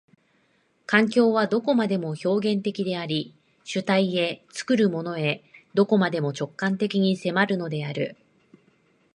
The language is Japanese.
環境はどこまでも表現的であり、主体へ、作るものへ、どこまでも直観的に迫るのである。